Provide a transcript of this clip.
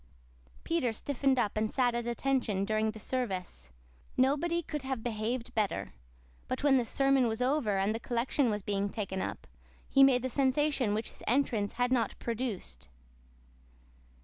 Peter stiffened up and sat at attention during the service. Nobody could have behaved better. But when the sermon was over and the collection was being taken up, he made the sensation which his entrance had not produced.